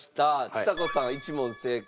ちさ子さん１問正解。